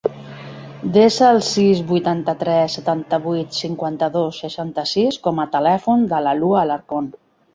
Desa el sis, vuitanta-tres, setanta-vuit, cinquanta-dos, seixanta-sis com a telèfon de la Lua Alarcon.